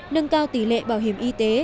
nâng cao tỷ lệ bảo hiểm y tế